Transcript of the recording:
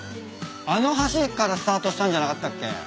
あの橋からスタートしたんじゃなかったっけ？